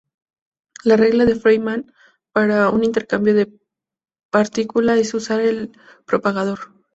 La regla de Feynman para un intercambio de partícula es usar el propagador.